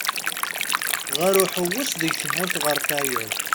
Ɣer uḥewwes deg tmurt ɣer tayeḍ.